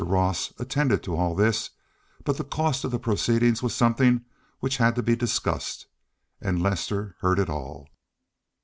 Ross attended to all this, but the cost of the proceedings was something which had to be discussed, and Lester heard it all.